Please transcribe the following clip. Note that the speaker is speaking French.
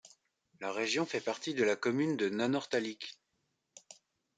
La région fait partie de la commune de Nanortalik.